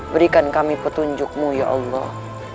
berikan kami petunjukmu ya allah